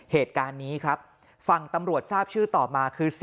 เหตุการณ์นี้ครับฝั่งตำรวจทราบชื่อต่อมาคือ